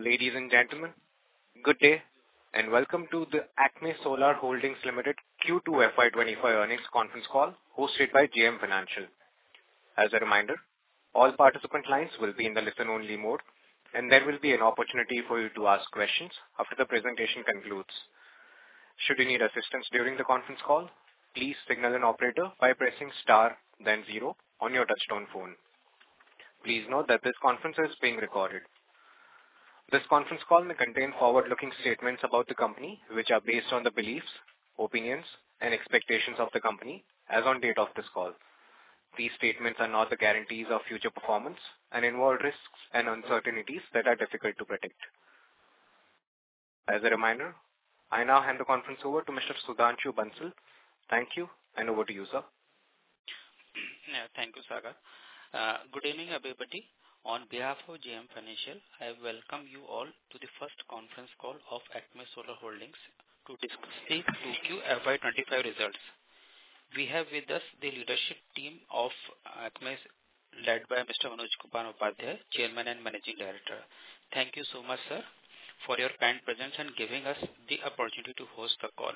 Ladies and gentlemen, good day and welcome to the ACME Solar Holdings Limited Q2 FY25 earnings conference call hosted by JM Financial. As a reminder, all participant lines will be in the listen-only mode, and there will be an opportunity for you to ask questions after the presentation concludes. Should you need assistance during the conference call, please signal an operator by pressing star, then zero on your touch-tone phone. Please note that this conference is being recorded. This conference call may contain forward-looking statements about the company, which are based on the beliefs, opinions, and expectations of the company as on date of this call. These statements are not the guarantees of future performance and involve risks and uncertainties that are difficult to predict. As a reminder, I now hand the conference over to Mr. Sudhanshu Bansal. Thank you, and over to you, sir. Yeah, thank you, Sagar. Good evening, everybody. On behalf of JM Financial, I welcome you all to the first conference call of ACME Solar Holdings to discuss the Q2 FY25 results. We have with us the leadership team of ACME, led by Mr. Manoj Kumar Upadhyay, Chairman and Managing Director. Thank you so much, sir, for your kind presence and giving us the opportunity to host the call.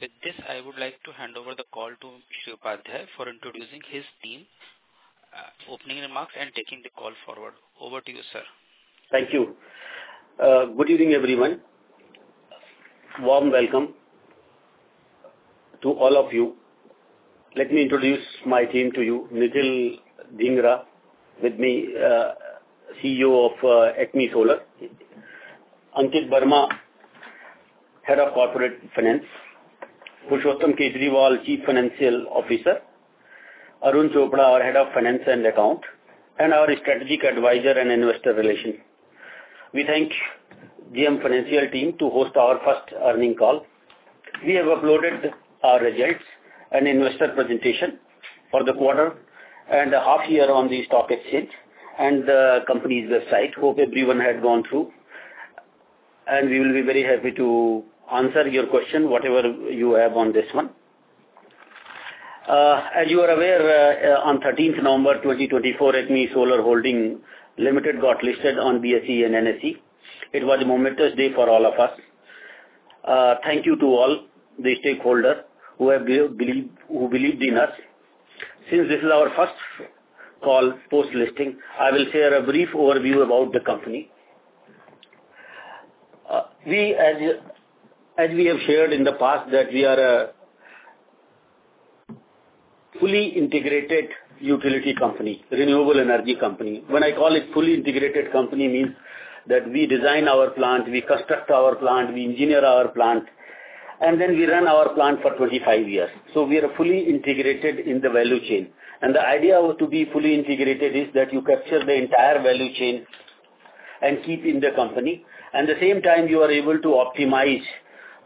With this, I would like to hand over the call to Mr. Upadhyay for introducing his team, opening remarks, and taking the call forward. Over to you, sir. Thank you. Good evening, everyone. Warm welcome to all of you. Let me introduce my team to you. Nikhil Dhingra with me, CEO of ACME Solar. Ankit Verma, Head of Corporate Finance. Purushottam Kejriwal, Chief Financial Officer. Arun Chopra, our Head of Finance and Accounts. And our Strategic Advisor and Investor Relations. We thank JM Financial team to host our first earnings call. We have uploaded our results and investor presentation for the quarter and half year on the stock exchange and the company's website. Hope everyone had gone through, and we will be very happy to answer your question, whatever you have on this one. As you are aware, on 13th November 2024, ACME Solar Holdings Limited got listed on BSE and NSE. It was a momentous day for all of us. Thank you to all the stakeholders who believed in us. Since this is our first call post-listing, I will share a brief overview about the company. As we have shared in the past, that we are a fully integrated utility company, renewable energy company. When I call it fully integrated company, it means that we design our plant, we construct our plant, we engineer our plant, and then we run our plant for 25 years, so we are fully integrated in the value chain, and the idea of being fully integrated is that you capture the entire value chain and keep in the company. At the same time, you are able to optimize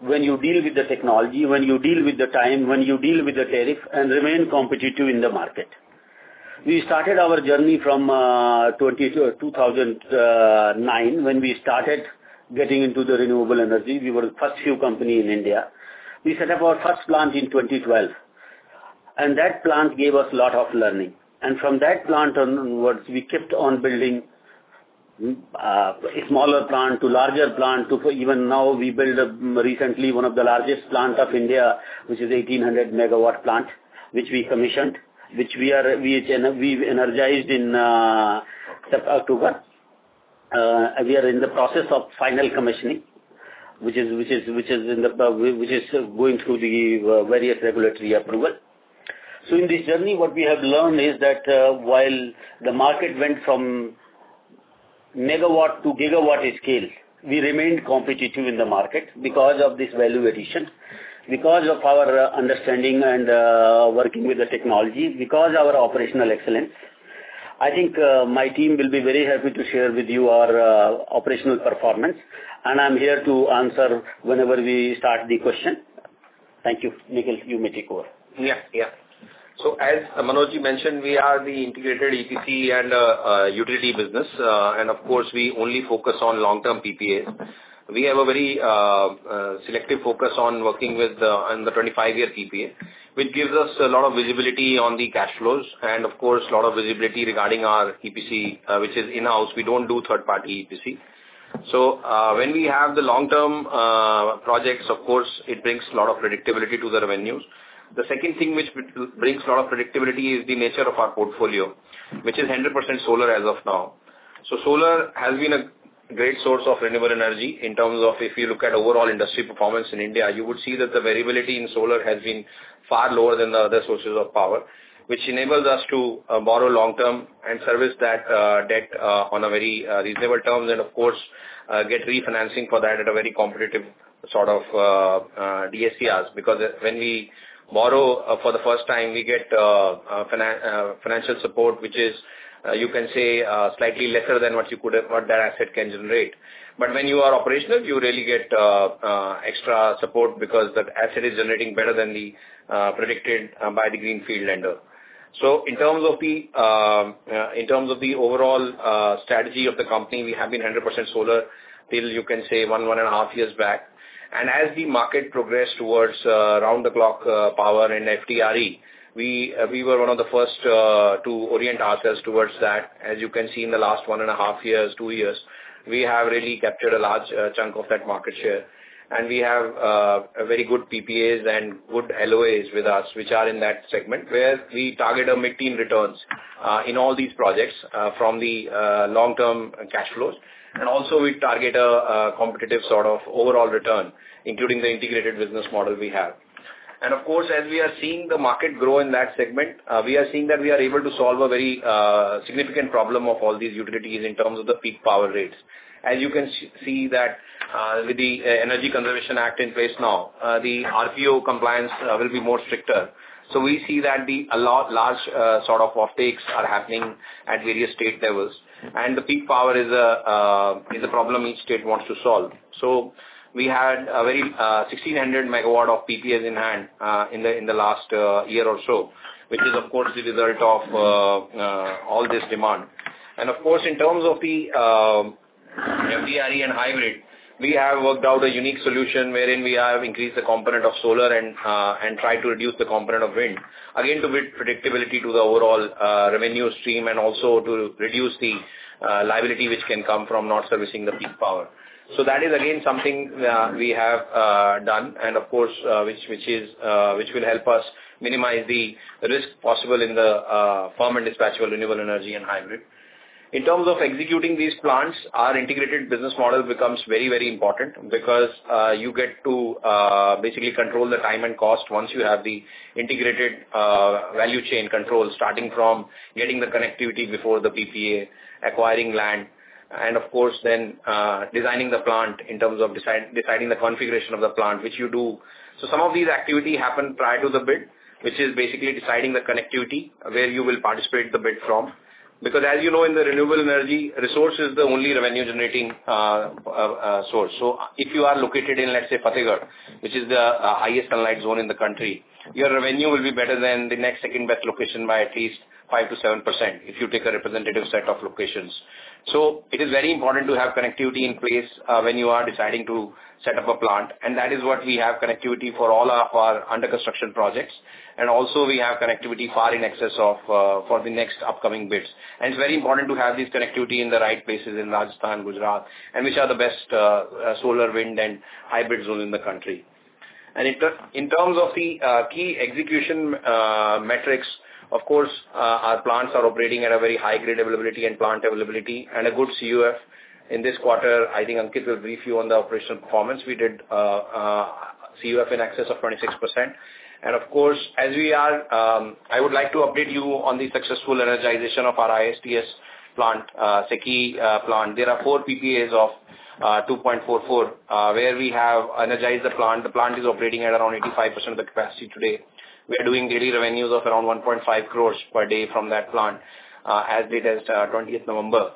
when you deal with the technology, when you deal with the time, when you deal with the tariff, and remain competitive in the market. We started our journey from 2009 when we started getting into the renewable energy. We were the first few companies in India. We set up our first plant in 2012, and that plant gave us a lot of learning, and from that plant onwards, we kept on building a smaller plant to a larger plant. Even now, we built recently one of the largest plants of India, which is a 1,800 MW plant, which we commissioned, which we energized in September, October. We are in the process of final commissioning, which is going through the various regulatory approvals, so in this journey, what we have learned is that while the market went from MW to GW scale, we remained competitive in the market because of this value addition, because of our understanding and working with the technology, because of our operational excellence. I think my team will be very happy to share with you our operational performance, and I'm here to answer whenever we start the question. Thank you. Nikhil, you may take over. Yeah, yeah. So as Manoj mentioned, we are the integrated EPC and utility business. And of course, we only focus on long-term PPAs. We have a very selective focus on working with the 25-year PPA, which gives us a lot of visibility on the cash flows and, of course, a lot of visibility regarding our EPC, which is in-house. We don't do third-party EPC. So when we have the long-term projects, of course, it brings a lot of predictability to the revenues. The second thing which brings a lot of predictability is the nature of our portfolio, which is 100% solar as of now. So solar has been a great source of renewable energy in terms of if you look at overall industry performance in India, you would see that the variability in solar has been far lower than the other sources of power, which enables us to borrow long-term and service that debt on a very reasonable term and, of course, get refinancing for that at a very competitive sort of DSCRs. Because when we borrow for the first time, we get financial support, which is, you can say, slightly lesser than what that asset can generate. But when you are operational, you really get extra support because that asset is generating better than the predicted by the greenfield lender. So in terms of the overall strategy of the company, we have been 100% solar till, you can say, one, one and a half years back. As the market progressed towards round-the-clock power and FDRE, we were one of the first to orient ourselves towards that. As you can see in the last one and a half years, two years, we have really captured a large chunk of that market share. We have very good PPAs and good LOAs with us, which are in that segment where we target a mid-teen returns in all these projects from the long-term cash flows. We also target a competitive sort of overall return, including the integrated business model we have. Of course, as we are seeing the market grow in that segment, we are seeing that we are able to solve a very significant problem of all these utilities in terms of the peak power rates. As you can see that with the Energy Conservation Act in place now, the RPO compliance will be more stricter, so we see that large sort of offtakes are happening at various state levels, and the peak power is a problem each state wants to solve, so we had 1,600 MW of PPAs in hand in the last year or so, which is, of course, the result of all this demand, and of course, in terms of the FDRE and hybrid, we have worked out a unique solution wherein we have increased the component of solar and tried to reduce the component of wind, again, to build predictability to the overall revenue stream and also to reduce the liability which can come from not servicing the peak power. So that is, again, something we have done, and of course, which will help us minimize the risk possible in the Firm and Dispatchable Renewable Energy and hybrid. In terms of executing these plants, our integrated business model becomes very, very important because you get to basically control the time and cost once you have the integrated value chain control, starting from getting the connectivity before the PPA, acquiring land, and of course, then designing the plant in terms of deciding the configuration of the plant, which you do. So some of these activities happen prior to the bid, which is basically deciding the connectivity where you will participate in the bid from. Because as you know, in the renewable energy resource is the only revenue-generating source. If you are located in, let's say, Fatehgarh, which is the highest sunlight zone in the country, your revenue will be better than the next second-best location by at least 5%-7% if you take a representative set of locations. It is very important to have connectivity in place when you are deciding to set up a plant. That is what we have connectivity for all of our under-construction projects. Also, we have connectivity far in excess of for the next upcoming bids. It is very important to have this connectivity in the right places in Rajasthan, Gujarat, and which are the best solar, wind, and hybrid zones in the country. In terms of the key execution metrics, of course, our plants are operating at a very high grade availability and plant availability and a good CUF. In this quarter, I think Ankit will brief you on the operational performance. We did CUF in excess of 26%. And of course, as we are, I would like to update you on the successful energization of our ISTS plant, Sikar plant. There are four PPAs of 2.44 where we have energized the plant. The plant is operating at around 85% of the capacity today. We are doing daily revenues of around 1.5 crores per day from that plant as dated 20th November.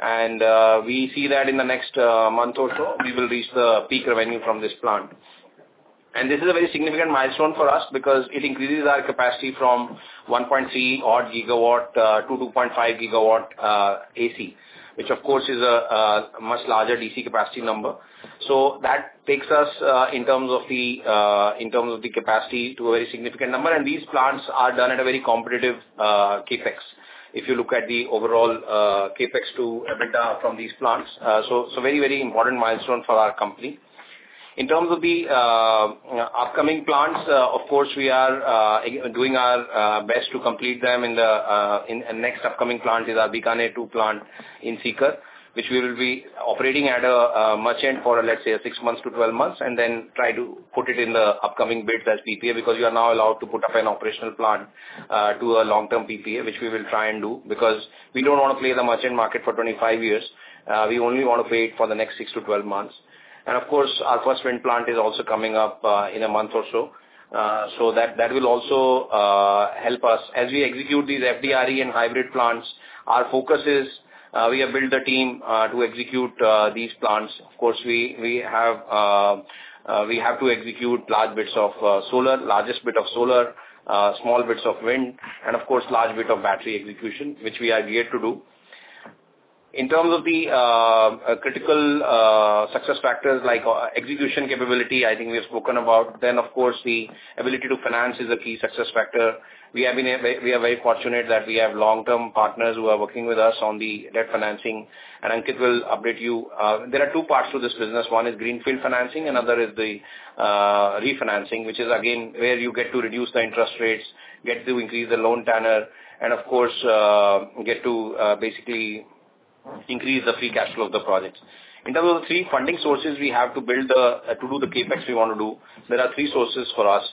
And we see that in the next month or so, we will reach the peak revenue from this plant. And this is a very significant milestone for us because it increases our capacity from 1.3 odd GW to 2.5 GW AC, which, of course, is a much larger DC capacity number. So that takes us in terms of the capacity to a very significant number. These plants are done at a very competitive CapEx. If you look at the overall CapEx to EBITDA from these plants, so very, very important milestone for our company. In terms of the upcoming plants, of course, we are doing our best to complete them. The next upcoming plant is our Bikaner 2 plant in Sikar, which we will be operating at a merchant for, let's say, 6-12 months and then try to put it in the upcoming bids as PPA because we are now allowed to put up an operational plant to a long-term PPA, which we will try and do because we don't want to play the merchant market for 25 years. We only want to pay it for the next 6-12 months. Of course, our first wind plant is also coming up in a month or so. So that will also help us. As we execute these FDRE and hybrid plants, our focus is we have built a team to execute these plants. Of course, we have to execute large bits of solar, largest bit of solar, small bits of wind, and of course, large bit of battery execution, which we are geared to do. In terms of the critical success factors like execution capability, I think we have spoken about. Then, of course, the ability to finance is a key success factor. We are very fortunate that we have long-term partners who are working with us on the debt financing. And Ankit will update you. There are two parts to this business. One is greenfield financing. Another is the refinancing, which is, again, where you get to reduce the interest rates, get to increase the loan tenor, and of course, get to basically increase the free cash flow of the projects. In terms of the three funding sources we have to build to do the CapEx we want to do, there are three sources for us.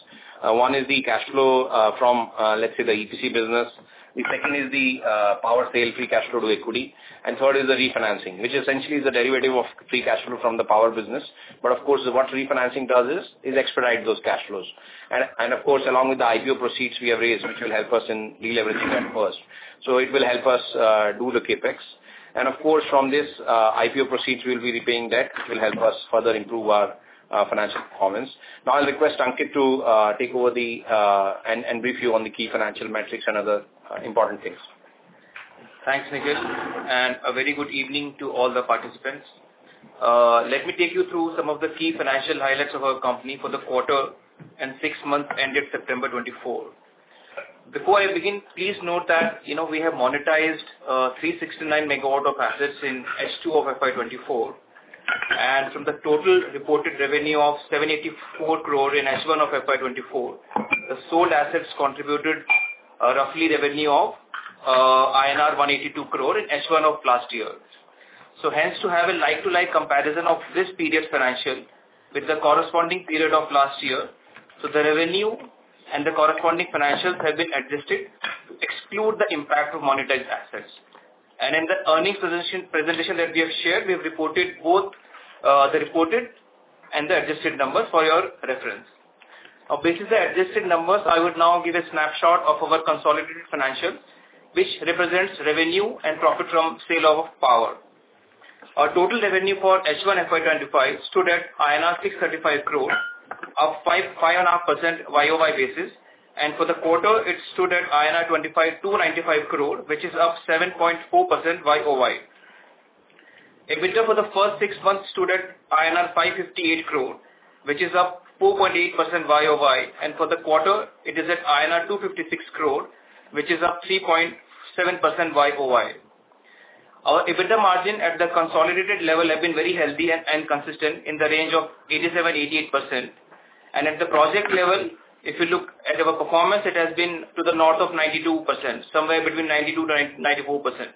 One is the cash flow from, let's say, the EPC business. The second is the power sale free cash flow to equity, and third is the refinancing, which essentially is a derivative of free cash flow from the power business, but of course, what refinancing does is expedite those cash flows, and of course, along with the IPO proceeds we have raised, which will help us in deleveraging that first, so it will help us do the CapEx. Of course, from this IPO proceeds, we will be repaying debt, which will help us further improve our financial performance. Now, I'll request Ankit to take over and brief you on the key financial metrics and other important things. Thanks, Nikhil. And a very good evening to all the participants. Let me take you through some of the key financial highlights of our company for the quarter and six months ended September 24. Before I begin, please note that we have monetized 369 MW of assets in S2 of FY24. And from the total reported revenue of 784 crore in S1 of FY24, the sold assets contributed roughly revenue of INR 182 crore in S1 of last year. So hence, to have a like-for-like comparison of this period's financials with the corresponding period of last year, so the revenue and the corresponding financials have been adjusted to exclude the impact of monetized assets. And in the earnings presentation that we have shared, we have reported both the reported and the adjusted numbers for your reference. Based on the adjusted numbers, I would now give a snapshot of our consolidated financials, which represents revenue and profit from sale of power. Our total revenue for S1 FY25 stood at INR 635 crore of 5.5% YOY basis, and for the quarter, it stood at INR 295 crore, which is up 7.4% YOY. EBITDA for the first six months stood at INR 558 crore, which is up 4.8% YOY, and for the quarter, it is at INR 256 crore, which is up 3.7% YOY. Our EBITDA margin at the consolidated level has been very healthy and consistent in the range of 87%-88%, and at the project level, if you look at our performance, it has been to the north of 92%, somewhere between 92% to 94%.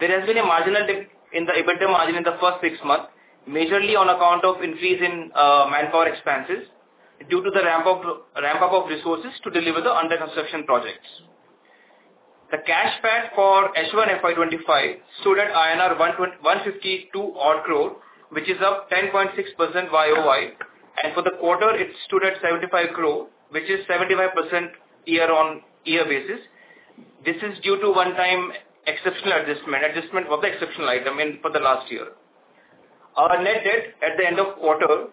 There has been a marginal dip in the EBITDA margin in the first six months, majorly on account of increase in manpower expenses due to the ramp-up of resources to deliver the under-construction projects. The cash PAT for S1 FY25 stood at INR 152 odd crore, which is up 10.6% YOY, and for the quarter, it stood at 75 crore, which is 75% year-on-year basis. This is due to one-time exceptional adjustment, adjustment of the exceptional item for the last year. Our net debt at the end of quarter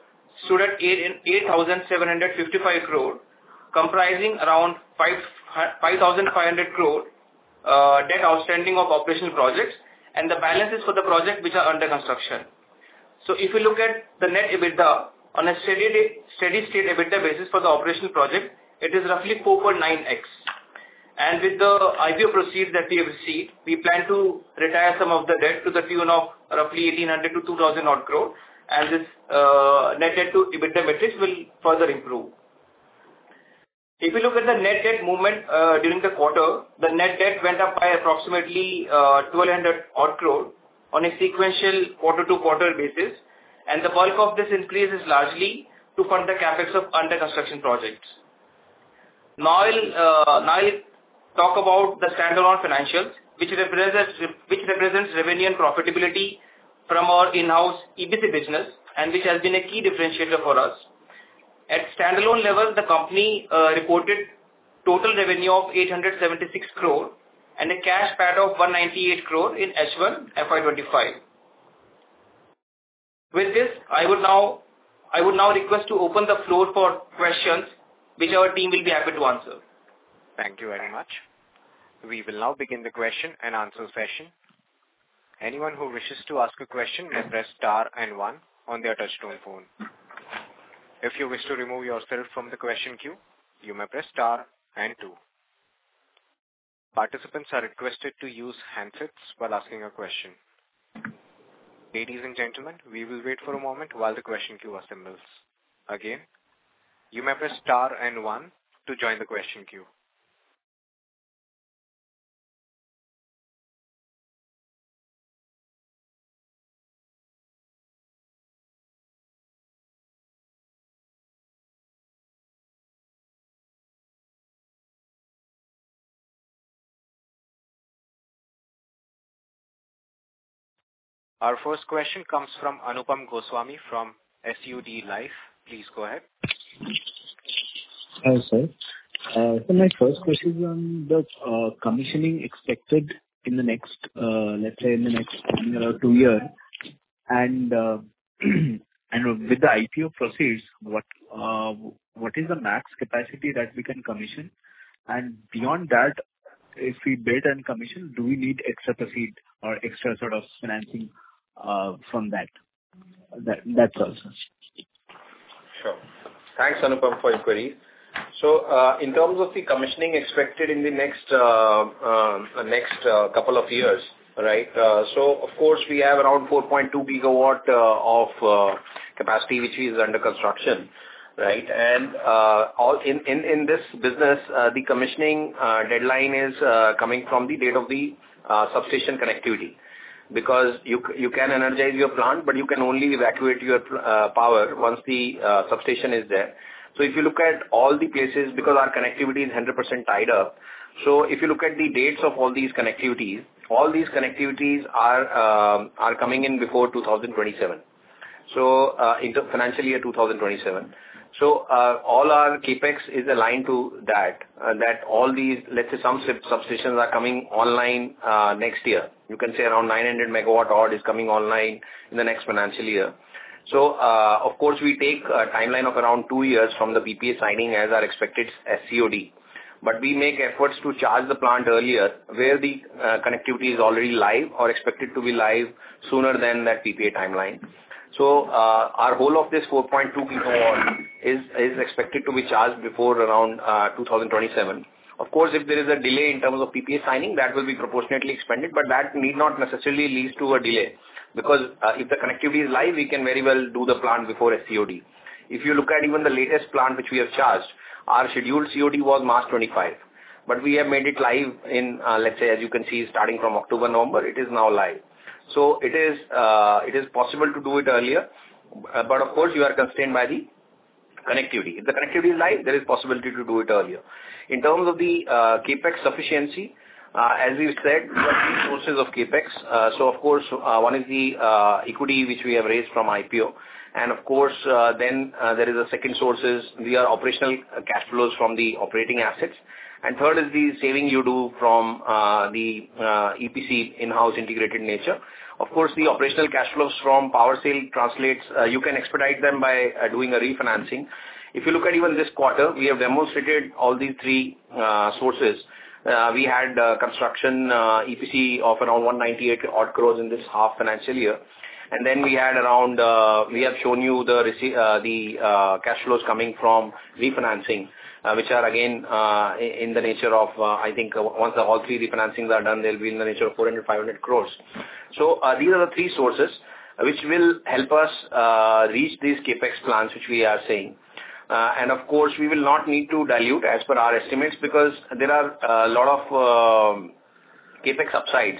stood at 8,755 crore, comprising around 5,500 crore debt outstanding of operational projects and the balances for the project which are under construction, so if you look at the net EBITDA on a steady-state EBITDA basis for the operational project, it is roughly 4.9x. And with the IPO proceeds that we have received, we plan to retire some of the debt to the tune of roughly 1,800-2,000 odd crore. And this net debt to EBITDA metrics will further improve. If you look at the net debt movement during the quarter, the net debt went up by approximately 1,200 odd crore on a sequential quarter-to-quarter basis. And the bulk of this increase is largely to fund the CapEx of under-construction projects. Now, I'll talk about the standalone financials, which represents revenue and profitability from our in-house EPC business and which has been a key differentiator for us. At standalone level, the company reported total revenue of 876 crore and a cash PAT of 198 crore in S1 FY25. With this, I would now request to open the floor for questions, which our team will be happy to answer. Thank you very much. We will now begin the question and answer session. Anyone who wishes to ask a question may press star and one on their touch-tone phone. If you wish to remove yourself from the question queue, you may press star and two. Participants are requested to use handsets while asking a question. Ladies and gentlemen, we will wait for a moment while the question queue assembles. Again, you may press star and one to join the question queue. Our first question comes from Anupam Goswami from SUD Life. Please go ahead. Hi, sir. So my first question is on the commissioning expected in the next, let's say, in the next one year or two years. And with the IPO proceeds, what is the max capacity that we can commission? And beyond that, if we bid and commission, do we need extra proceeds or extra sort of financing from that? That's all. Sure. Thanks, Anupam, for your queries. So in terms of the commissioning expected in the next couple of years, right, so of course, we have around 4.2 GW of capacity, which is under construction, right? And in this business, the commissioning deadline is coming from the date of the substation connectivity because you can energize your plant, but you can only evacuate your power once the substation is there. So if you look at all the places, because our connectivity is 100% tied up, so if you look at the dates of all these connectivities, all these connectivities are coming in before 2027, so into financial year 2027. So all our CapEx is aligned to that, that all these, let's say, some substations are coming online next year. You can say around 900 MW odd is coming online in the next financial year. So of course, we take a timeline of around two years from the PPA signing as our expected SCOD. But we make efforts to charge the plant earlier where the connectivity is already live or expected to be live sooner than that PPA timeline. So our whole of this 4.2 GW is expected to be charged before around 2027. Of course, if there is a delay in terms of PPA signing, that will be proportionately expanded, but that need not necessarily lead to a delay. Because if the connectivity is live, we can very well do the plant before SCOD. If you look at even the latest plant which we have charged, our scheduled COD was March 25. But we have made it live in, let's say, as you can see, starting from October, November, it is now live. So it is possible to do it earlier. But of course, you are constrained by the connectivity. If the connectivity is live, there is possibility to do it earlier. In terms of the CapEx sufficiency, as we've said, we have three sources of CapEx. So of course, one is the equity which we have raised from IPO. And of course, then there is a second source. These are operational cash flows from the operating assets. And third is the savings you do from the EPC in-house integrated nature. Of course, the operational cash flows from power sale translates. You can expedite them by doing a refinancing. If you look at even this quarter, we have demonstrated all these three sources. We had construction EPC of around 198 odd crores in this half financial year. And then we have shown you the cash flows coming from refinancing, which are, again, in the nature of, I think, once all three refinancings are done, they'll be in the nature of 400- 500 crores. So these are the three sources which will help us reach these CapEx plans which we are seeing. And of course, we will not need to dilute as per our estimates because there are a lot of CapEx upsides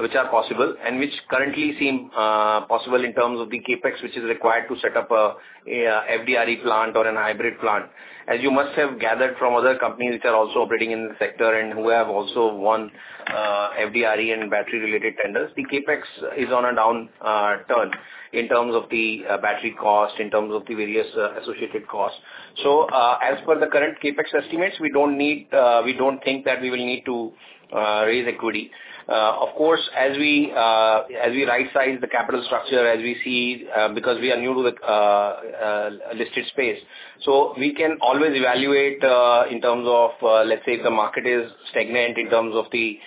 which are possible and which currently seem possible in terms of the CapEx which is required to set up an FDRE plant or an hybrid plant. As you must have gathered from other companies which are also operating in the sector and who have also won FDRE and battery-related tenders, the CapEx is on a downturn in terms of the battery cost, in terms of the various associated costs. So as per the current CapEx estimates, we don't need. We don't think that we will need to raise equity. Of course, as we right-size the capital structure, as we see, because we are new to the listed space, so we can always evaluate in terms of, let's say, if the market is stagnant in terms of the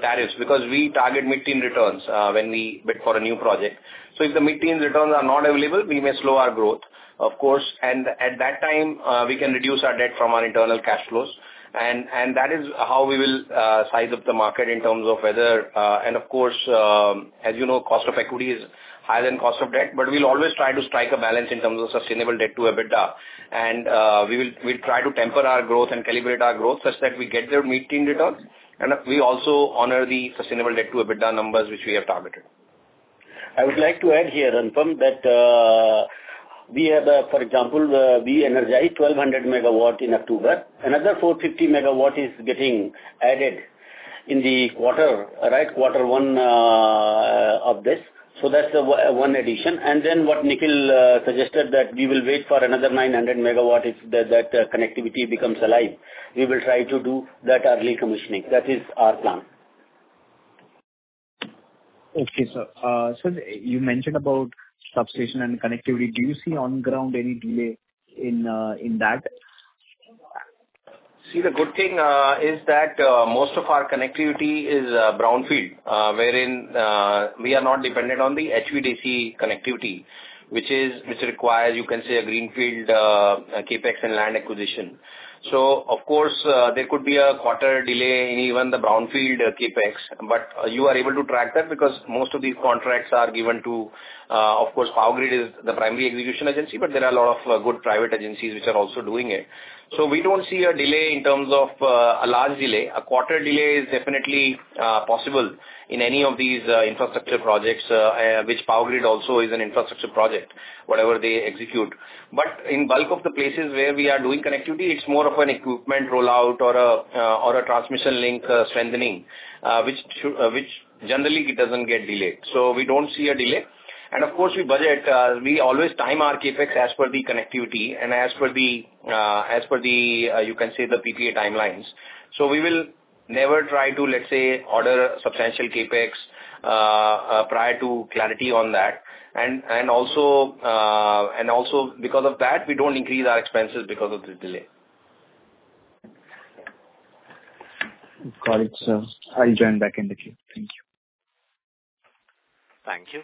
tariffs because we target mid-teen returns when we bid for a new project. So if the mid-teen returns are not available, we may slow our growth, of course. And at that time, we can reduce our debt from our internal cash flows. And that is how we will size up the market in terms of whether and of course, as you know, cost of equity is higher than cost of debt, but we'll always try to strike a balance in terms of sustainable debt to EBITDA. And we'll try to temper our growth and calibrate our growth such that we get the mid-teen returns. And we also honor the sustainable debt to EBITDA numbers which we have targeted. I would like to add here, Anupam, that we have, for example, we energized 1,200 MW in October. Another 450 MW is getting added in the quarter, right, quarter one of this. So that's one addition. And then what Nikhil suggested that we will wait for another 900 MW if that connectivity becomes alive. We will try to do that early commissioning. That is our plan. Okay, sir. So you mentioned about substation and connectivity. Do you see on-ground any delay in that? See, the good thing is that most of our connectivity is brownfield, wherein we are not dependent on the HVDC connectivity, which requires, you can say, a greenfield CapEx and land acquisition. So of course, there could be a quarter delay in even the brownfield CapEx, but you are able to track that because most of these contracts are given to, of course, Power Grid is the primary execution agency, but there are a lot of good private agencies which are also doing it. So we don't see a delay in terms of a large delay. A quarter delay is definitely possible in any of these infrastructure projects, which Power Grid also is an infrastructure project, whatever they execute. But in bulk of the places where we are doing connectivity, it's more of an equipment rollout or a transmission link strengthening, which generally doesn't get delayed. So we don't see a delay. And of course, we budget. We always time our CapEx as per the connectivity and as per the, you can say, the PPA timelines. So we will never try to, let's say, order substantial CapEx prior to clarity on that. And also because of that, we don't increase our expenses because of the delay. Got it, sir. I'll join back in the queue. Thank you. Thank you.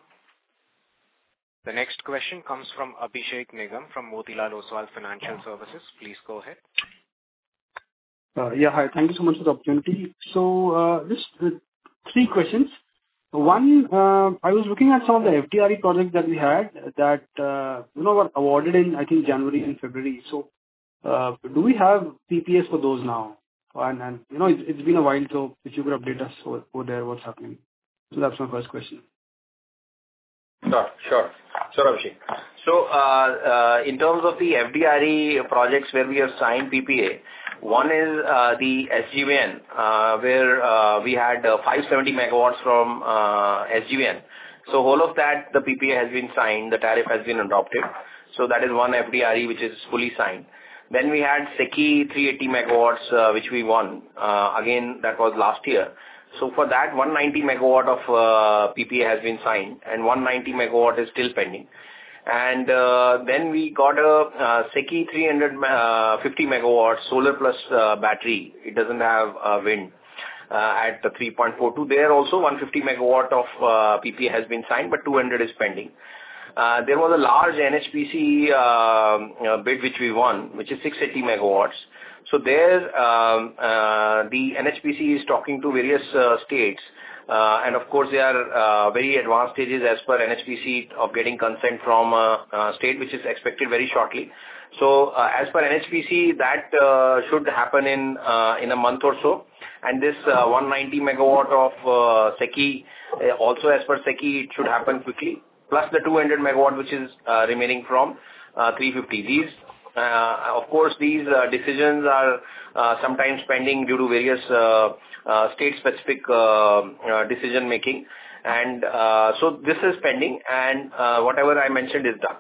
The next question comes from Abhishek Nigam from Motilal Oswal Financial Services. Please go ahead. Yeah, hi. Thank you so much for the opportunity. So just three questions. One, I was looking at some of the FDRE projects that we had that were awarded in, I think, January and February. So do we have PPAs for those now? And it's been a while, so could you update us over there what's happening? So that's my first question. Sure, Abhishek. In terms of the FDRE projects where we have signed PPA, one is the SJVN, where we had 570 MW from SJVN. All of that, the PPA has been signed. The tariff has been adopted. That is one FDRE which is fully signed. Then we had SECI 380 MW, which we won. Again, that was last year. For that, 190 MW of PPA has been signed, and 190 MW is still pending. We got a SECI 350 MW solar-plus battery. It doesn't have wind at the 3.42. There also, 150 MW of PPA has been signed, but 200 is pending. There was a large NHPC bid which we won, which is 680 MW. The NHPC is talking to various states. And of course, they are very advanced stages as per NHPC of getting consent from a state which is expected very shortly. So as per NHPC, that should happen in a month or so. And this 190 MW of SECI, also as per SECI, it should happen quickly, plus the 200 MW which is remaining from 350. Of course, these decisions are sometimes pending due to various state-specific decision-making. And so this is pending, and whatever I mentioned is done.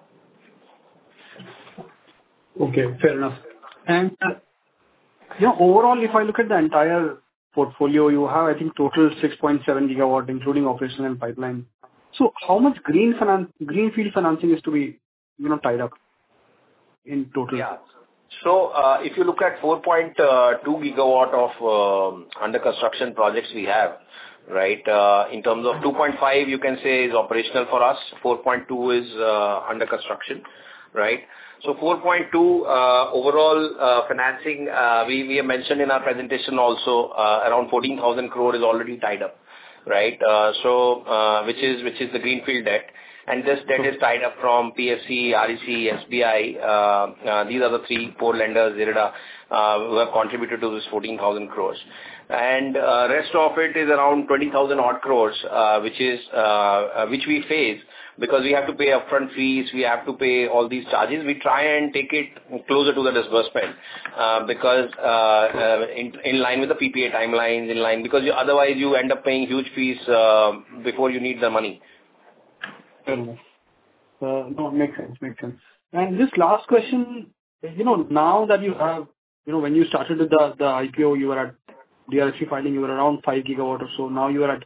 Okay. Fair enough. And overall, if I look at the entire portfolio, you have, I think, total 6.7 GW, including operational and pipeline. So how much greenfield financing is to be tied up in total? Yeah. So if you look at 4.2 GW of under-construction projects we have, right? In terms of 2.5, you can say, is operational for us. 4.2 is under-construction, right? So 4.2 overall financing, we have mentioned in our presentation also around 14,000 crore is already tied up, right? Which is the greenfield debt. And this debt is tied up from PFC, REC, SBI. These are the three core lenders, IREDA, who have contributed to this 14,000 crores. And the rest of it is around 20,000 odd crores, which we face because we have to pay upfront fees. We have to pay all these charges. We try and take it closer to the disbursement because in line with the PPA timelines, in line because otherwise you end up paying huge fees before you need the money. Fair enough. No, it makes sense. Makes sense. And this last question, now that you have when you started with the IPO, you were at DRHP filing, you were around five GW or so. Now you are at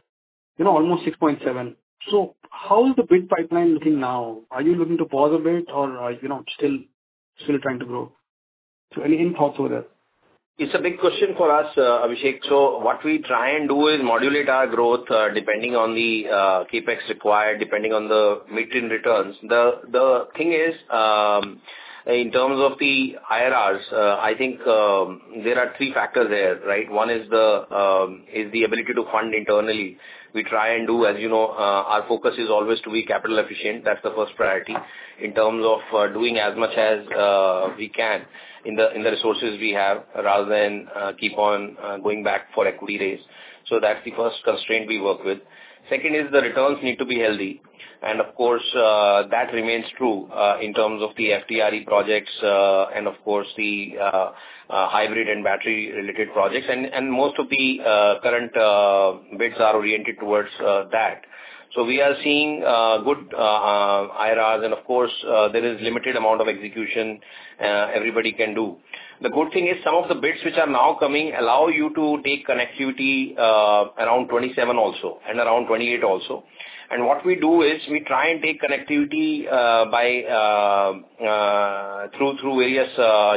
almost 6.7. So how is the bid pipeline looking now? Are you looking to pause a bit or still trying to grow? So any thoughts over there? It's a big question for us, Abhishek. So what we try and do is modulate our growth depending on the CapEx required, depending on the mid-teen returns. The thing is, in terms of the IRRs, I think there are three factors there, right? One is the ability to fund internally. We try and do, as you know, our focus is always to be capital efficient. That's the first priority in terms of doing as much as we can in the resources we have rather than keep on going back for equity raise. So that's the first constraint we work with. Second is the returns need to be healthy. And of course, that remains true in terms of the FDRE projects and, of course, the hybrid and battery-related projects. And most of the current bids are oriented towards that. So we are seeing good IRRs. Of course, there is a limited amount of execution everybody can do. The good thing is some of the bids which are now coming allow you to take connectivity around 2027 also and around 2028 also. What we do is we try and take connectivity through various,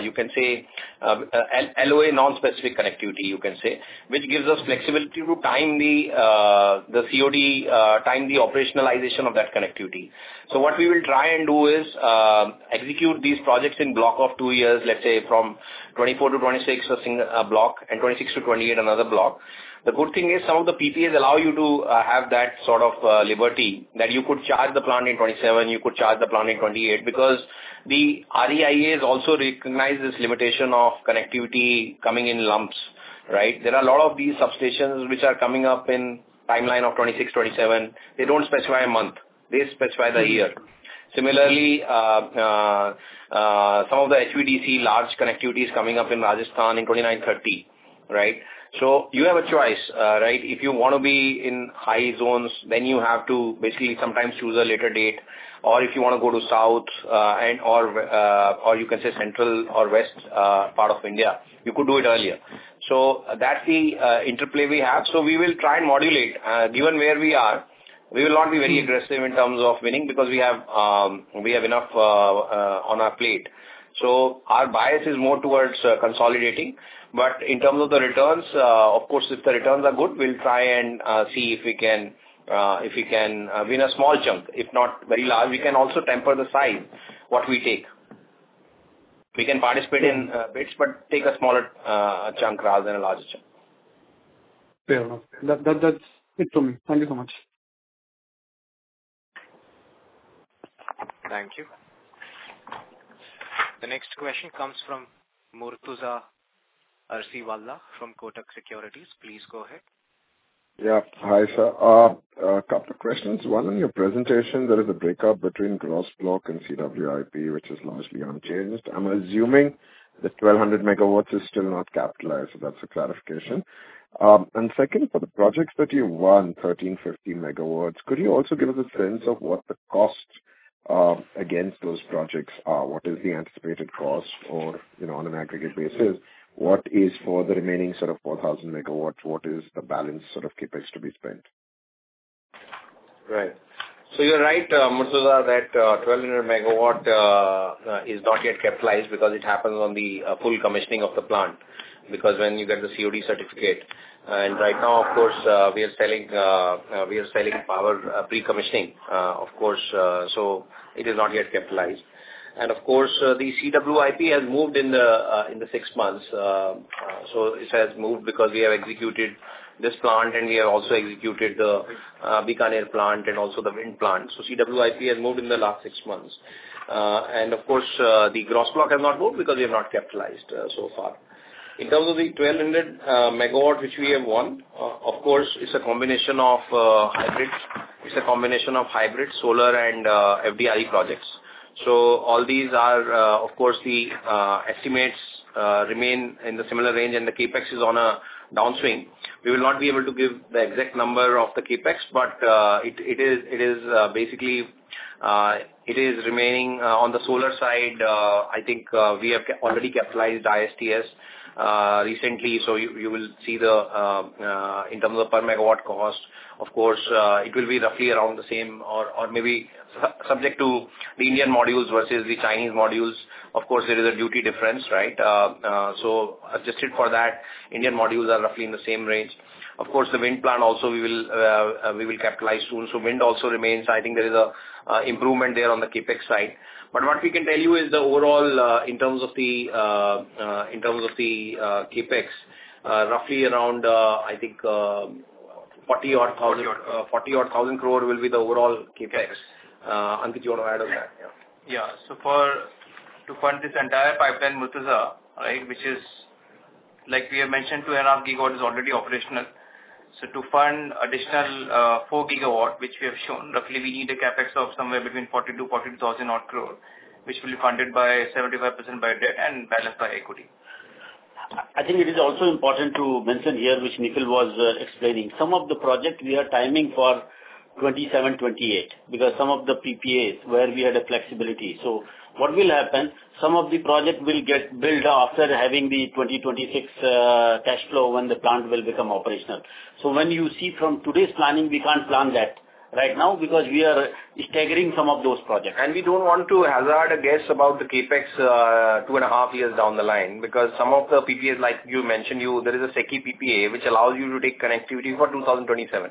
you can say, LOA non-specific connectivity, you can say, which gives us flexibility to time the COD, time the operationalization of that connectivity. What we will try and do is execute these projects in block of two years, let's say, from 2024 to 2026, a block, and 2026 to 2028, another block. The good thing is some of the PPAs allow you to have that sort of liberty that you could charge the plant in 2027. You could charge the plant in 2028 because the REIAs also recognize this limitation of connectivity coming in lumps, right? There are a lot of these substations which are coming up in timeline of 2026, 2027. They don't specify a month. They specify the year. Similarly, some of the HVDC large connectivity is coming up in Rajasthan in 2029, 2030, right? So you have a choice, right? If you want to be in high zones, then you have to basically sometimes choose a later date. Or if you want to go to south or you can say central or west part of India, you could do it earlier. So that's the interplay we have. So we will try and modulate. Given where we are, we will not be very aggressive in terms of winning because we have enough on our plate. So our bias is more towards consolidating. But in terms of the returns, of course, if the returns are good, we'll try and see if we can win a small chunk. If not very large, we can also temper the size, what we take. We can participate in bids, but take a smaller chunk rather than a larger chunk. Fair enough. That's it from me. Thank you so much. Thank you. The next question comes from Murtuza Arsiwalla from Kotak Securities. Please go ahead. Yeah. Hi, sir. A couple of questions. One, in your presentation, there is a breakup between Gross Block and CWIP, which is largely unchanged. I'm assuming the 1,200 MW is still not capitalized, so that's a clarification. And second, for the projects that you've won, 1,350 MW, could you also give us a sense of what the costs against those projects are? What is the anticipated cost for on an aggregate basis? What is for the remaining sort of 4,000 MW? What is the balance sort of CapEx to be spent? Right. So you're right, Murtuza, that 1,200 MW is not yet capitalized because it happens on the full commissioning of the plant because when you get the COD certificate, and right now, of course, we are selling power pre-commissioning, of course, so it is not yet capitalized, and of course, the CWIP has moved in the six months, so it has moved because we have executed this plant, and we have also executed the Bikaner plant and also the wind plant, so CWIP has moved in the last six months, and of course, the Gross Block has not moved because we have not capitalized so far. In terms of the 1,200 MW, which we have won, of course, it's a combination of hybrid. It's a combination of hybrid, solar, and FDRE projects. So all these are, of course, the estimates remain in the similar range, and the CapEx is on a downswing. We will not be able to give the exact number of the CapEx, but it is basically remaining on the solar side. I think we have already capitalized ISTS recently, so you will see the in terms of per MW cost, of course, it will be roughly around the same or maybe subject to the Indian modules versus the Chinese modules. Of course, there is a duty difference, right? So adjusted for that, Indian modules are roughly in the same range. Of course, the wind plant also we will capitalize soon. So wind also remains. I think there is an improvement there on the CapEx side. But what we can tell you is the overall in terms of the CapEx, roughly around, I think, 40,000-41,000 crore will be the overall CapEx. Ankit, do you want to add on that? Yeah. So to fund this entire pipeline, Murtuza, right, which is, like we have mentioned, 2.5 GW is already operational. So to fund additional 4 GW, which we have shown, roughly we need a CapEx of somewhere between 40 to 42,000 odd crore, which will be funded by 75% by debt and balanced by equity. I think it is also important to mention here, which Nikhil was explaining, some of the projects we are timing for 2027, 2028 because some of the PPAs where we had a flexibility. So what will happen? Some of the projects will get built after having the 2026 cash flow when the plant will become operational. When you see from today's planning, we can't plan that right now because we are staggering some of those projects. We don't want to hazard a guess about the CapEx two and a half years down the line because some of the PPAs, like you mentioned, there is a SECI PPA, which allows you to take connectivity for 2027.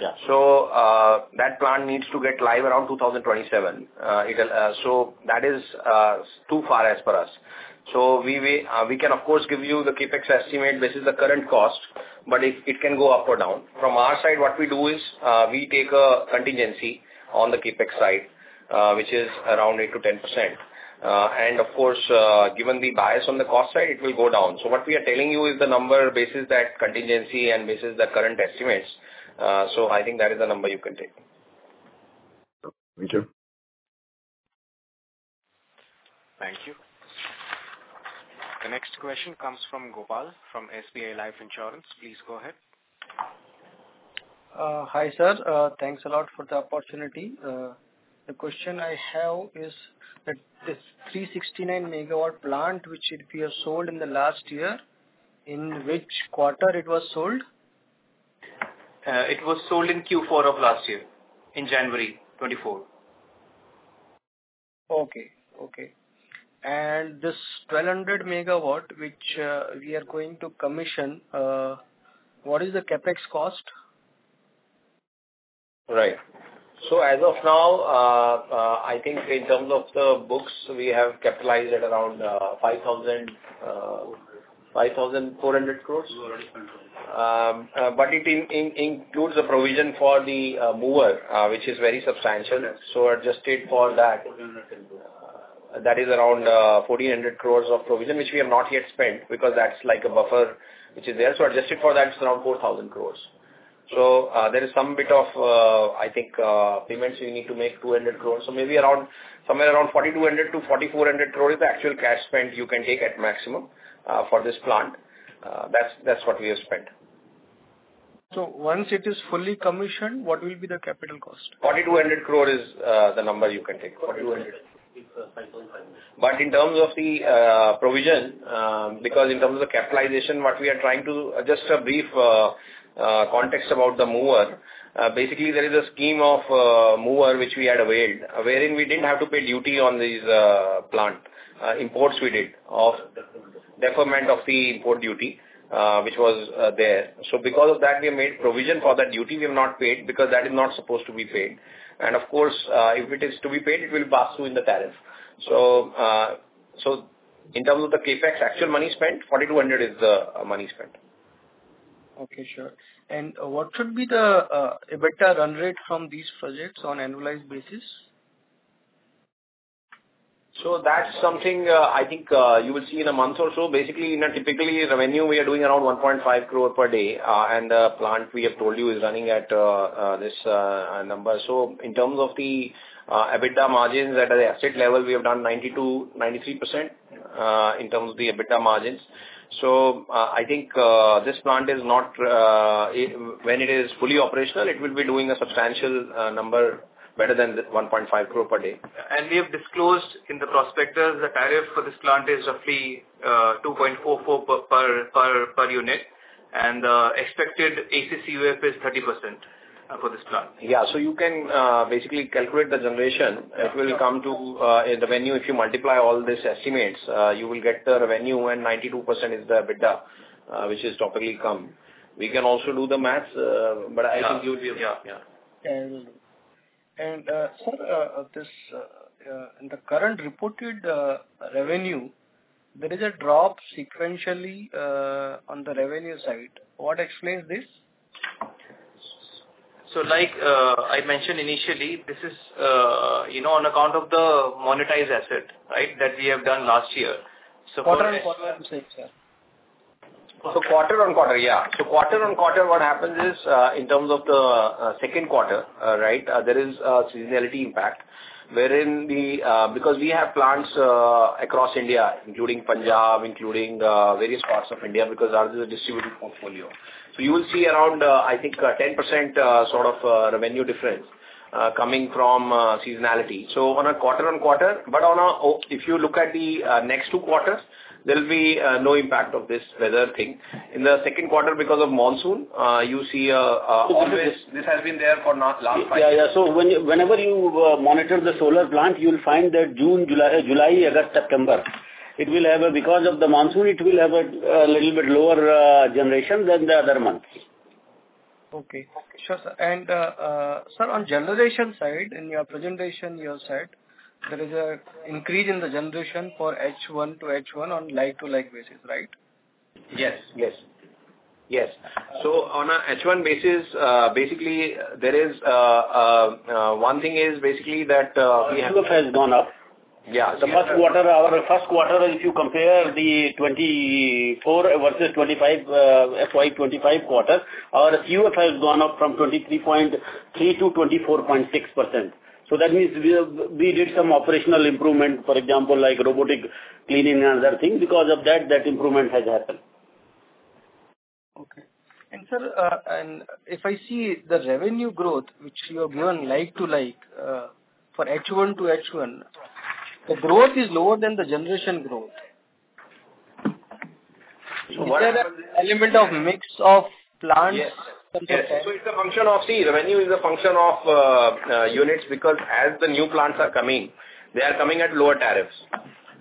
That plant needs to get live around 2027. That is too far as for us. So we can, of course, give you the CapEx estimate versus the current cost, but it can go up or down. From our side, what we do is we take a contingency on the CapEx side, which is around 8%-10%. And of course, given the bias on the cost side, it will go down. So what we are telling you is the number basis that contingency and basis the current estimates. So I think that is the number you can take. Thank you. Thank you. The next question comes from Gopal from SBI Life Insurance. Please go ahead. Hi, sir. Thanks a lot for the opportunity. The question I have is that this 369 MW plant, which it was sold in the last year, in which quarter it was sold? It was sold in Q4 of last year in January 2024. Okay. Okay. And this 1,200 MW, which we are going to commission, what is the CapEx cost? Right. So as of now, I think in terms of the books, we have capitalized at around 5,400 crores. But it includes a provision for the MOOWR, which is very substantial. So adjusted for that, that is around 1,400 crores of provision, which we have not yet spent because that's like a buffer, which is there. So adjusted for that, it's around 4,000 crores. So there is some bit of, I think, payments we need to make 200 crores. So maybe somewhere around 4,200-4,400 crore is the actual cash spend you can take at maximum for this plant. That's what we have spent. Once it is fully commissioned, what will be the capital cost? 4,200 crore is the number you can take. But in terms of the provision, because in terms of the capitalization, what we are trying to just a brief context about the MOOWR. Basically, there is a scheme of MOOWR which we had availed, wherein we didn't have to pay duty on these plant imports we did of deferment of the import duty, which was there. So because of that, we made provision for that duty. We have not paid because that is not supposed to be paid. And of course, if it is to be paid, it will pass through in the tariff. So in terms of the CapEx, actual money spent, 4,200 crore is the money spent. Okay. Sure. And what should be the EBITDA run rate from these projects on annualized basis? So that's something I think you will see in a month or so. Basically, in a typical revenue, we are doing around 1.5 crore per day. And the plant, we have told you, is running at this number. So in terms of the EBITDA margins at the asset level, we have done 92%-93% in terms of the EBITDA margins. So I think this plant is not when it is fully operational, it will be doing a substantial number better than 1.5 crore per day. And we have disclosed in the prospectus the tariff for this plant is roughly 2.44 per unit. And the expected CUF is 30% for this plant. Yeah. So you can basically calculate the generation. It will come to the revenue. If you multiply all these estimates, you will get the revenue, and 92% is the EBITDA, which is typically come. We can also do the math, but I think you will be able to. Sir, in the current reported revenue, there is a drop sequentially on the revenue side. What explains this? Like I mentioned initially, this is on account of the monetized asset, right, that we have done last year. Quarter on quarter, I'm saying, sir. Quarter on quarter, what happens is in terms of the second quarter, right, there is a seasonality impact, wherein because we have plants across India, including Punjab, including various parts of India, because of our distributed portfolio. You will see around, I think, 10% sort of revenue difference coming from seasonality. On a quarter on quarter, but if you look at the next two quarters, there will be no impact of this weather thing. In the second quarter, because of monsoon, you see a. This has been there for last five. So whenever you monitor the solar plant, you will find that June, July, August, September, because of the monsoon, it will have a little bit lower generation than the other months. Okay. Sure, sir. And sir, on generation side, in your presentation, you said there is an increase in the generation for H1 to H1 on like-to-like basis, right? Yes. Yes. Yes. So on an H1 basis, basically, there is one thing is basically that we have. CUF has gone up. Yeah. So, first quarter, our first quarter, if you compare the 24 versus 25 FY25 quarter, our CUF has gone up from 23.3% to 24.6%. So that means we did some operational improvement, for example, like robotic cleaning and other things. Because of that, that improvement has happened. Okay. And sir, if I see the revenue growth, which you have given like-to-like for H1 to H1, the growth is lower than the generation growth. So what is the. Element of mix of plants? Yes. So it's a function of. Revenue is a function of units because as the new plants are coming, they are coming at lower tariffs,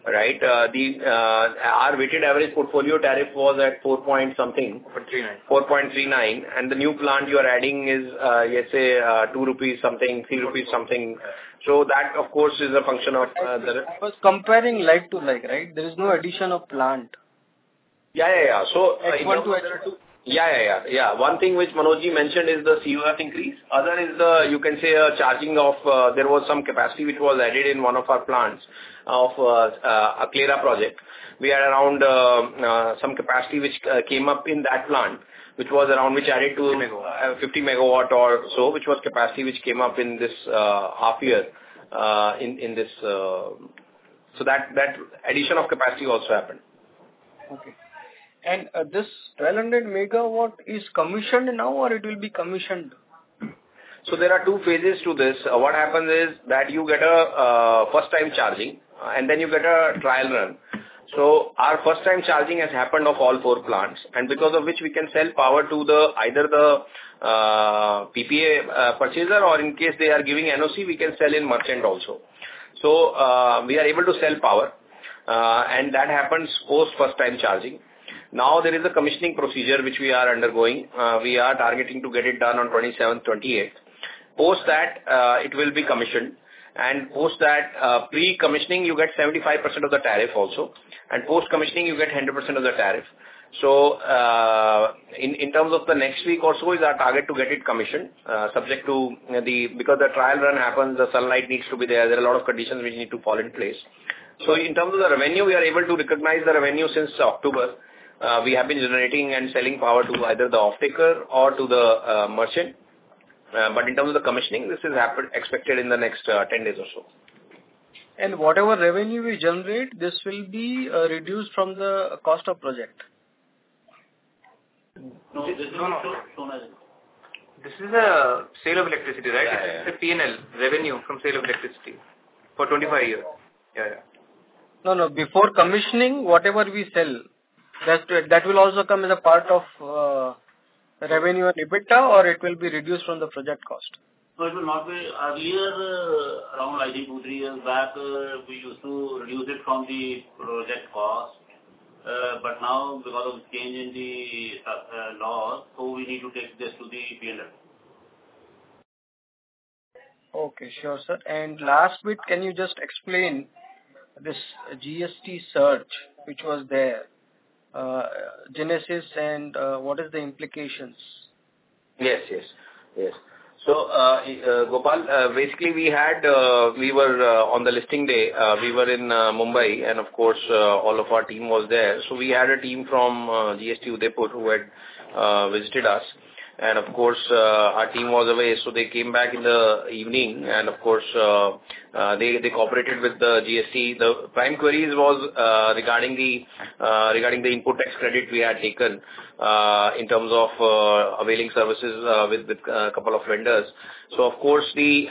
right? Our weighted average portfolio tariff was at 4 point something. 4.39. And the new plant you are adding is, let's say, 2 rupees something, 3 rupees something. So that, of course, is a function of the. But comparing like-to-like, right? There is no addition of plant. Yeah. So if I. 1 to. Yeah. One thing which Manojji mentioned is the CUF increase. Other is the, you can say, charging of there was some capacity which was added in one of our plants of a Aklera project. We had around some capacity which came up in that plant, which was around which added to 50 MW or so, which was capacity which came up in this half year in this. So that addition of capacity also happened. Okay. And this 1,200 MW is commissioned now, or it will be commissioned? So there are two phases to this. What happens is that you get a first-time charging, and then you get a trial run. So our first-time charging has happened of all four plants. And because of which, we can sell power to either the PPA purchaser, or in case they are giving NOC, we can sell in merchant also. So we are able to sell power. And that happens post first-time charging. Now, there is a commissioning procedure which we are undergoing. We are targeting to get it done on 27, 28. Post that, it will be commissioned. And post that pre-commissioning, you get 75% of the tariff also. And post commissioning, you get 100% of the tariff. So in terms of the next week or so, it's our target to get it commissioned subject to the because the trial run happens, the sunlight needs to be there. There are a lot of conditions which need to fall in place. So in terms of the revenue, we are able to recognize the revenue since October. We have been generating and selling power to either the offtaker or to the merchant. But in terms of the commissioning, this is expected in the next 10 days or so. Whatever revenue we generate, this will be reduced from the cost of project? No. This is a sale of electricity, right? It's a P&L revenue from sale of electricity for 25 years. Yeah. Yeah. No, no. Before commissioning, whatever we sell, that will also come as a part of the revenue and EBITDA, or it will be reduced from the project cost? So it will not be earlier. Around like two-to-three years back, we used to reduce it from the project cost. But now, because of change in the laws, so we need to take this to the P&L. Okay. Sure, sir. And last bit, can you just explain this GST search which was there, genesis, and what are the implications? Yes. Yes. Yes. So, Gopal, basically, we were on the listing day. We were in Mumbai, and of course, all of our team was there. So we had a team from GST Udaipur who had visited us. And of course, our team was away. So they came back in the evening. And of course, they cooperated with the GST. The prime queries was regarding the input tax credit we had taken in terms of availing services with a couple of vendors. So of course, the